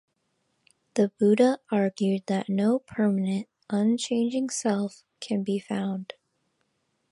The Buddha argued that no permanent, unchanging "self" can be found.